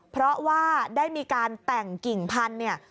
เพราะว่าได้มีการแต่งกิ่งพันธุ์เนี่ย